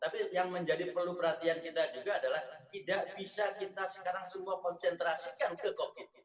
tapi yang menjadi perlu perhatian kita juga adalah tidak bisa kita sekarang semua konsentrasikan ke covid